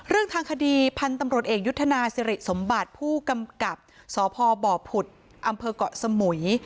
เรื่องทางคดีพันธุ์ตำรวจเอกยุทธนาสิริสมบัติผู้กำกับสพบผุดอำเภอกเกาะสมุย